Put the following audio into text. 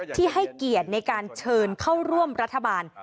ที่ให้เกียรติในการเชิญเข้าร่วมรัฐบาล